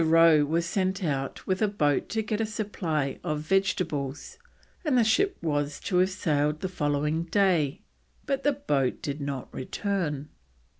Rowe was sent out with a boat to get a supply of vegetables, and the ship was to have sailed the following day, but the boat did not return.